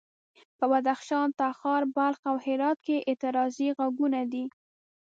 په بدخشان، تخار، بلخ او هرات کې اعتراضي غږونه دي.